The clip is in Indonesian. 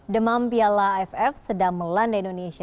demam piala aff sedang melanda indonesia